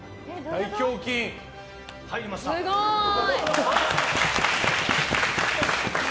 すごい！